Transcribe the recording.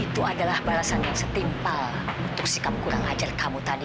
terima kasih banyak ya pak adi